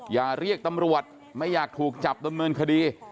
อย่าเรียกตำรวจไม่อยากถูกจับดำเนินคดี